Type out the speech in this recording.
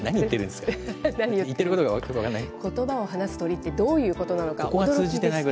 ことばを話す鳥ってどういうことなのか。